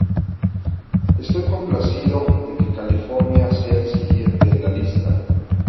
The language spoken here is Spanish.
Estoy complacido de que California sea el siguiente en la lista.